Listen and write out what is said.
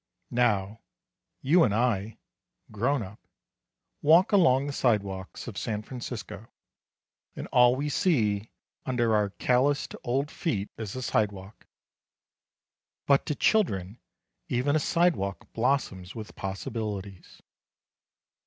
Now, you and I, grownup, walk along the sidewalks of San Francisco and all we see under our calloused old feet is a sidewalk. But to children even a sidewalk blossoms with possibilities.